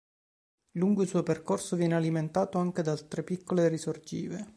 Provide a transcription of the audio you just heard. Lungo il suo percorso viene alimentato anche da altre piccole risorgive.